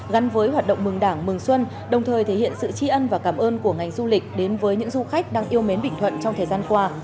gắn với hoạt động mừng đảng mừng xuân đồng thời thể hiện sự tri ân và cảm ơn của ngành du lịch đến với những du khách đang yêu mến bình thuận trong thời gian qua